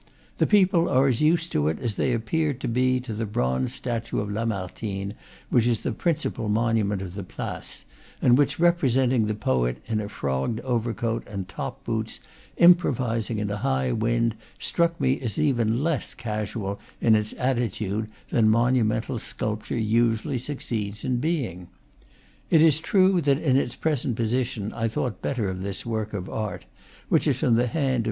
The people are as used to it as they ap peared to be to the bronze statue of Lamartine, which is the principal monument of the place, and which, re presenting the poet in a frogged overcoat and top boots, improvising in a high wind, struck me as even less casual in its attitude than monumental sculpture usually succeeds in being. It is true that in its pre sent position I thought better of this work of art, which is from the hand of M.